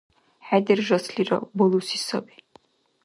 Хӏедержаслира, балуси саби.